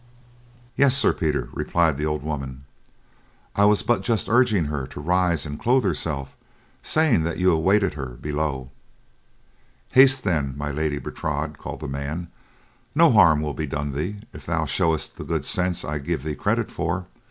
"Yes, Sir Peter," replied the old woman. "I was but just urging her to arise and clothe herself, saying that you awaited her below." "Haste then, My Lady Bertrade," called the man, "no harm will be done thee if thou showest the good sense I give thee credit for.